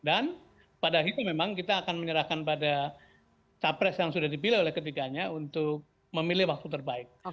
dan pada itu memang kita akan menyerahkan pada capres yang sudah dipilih oleh ketiganya untuk memilih waktu terbaik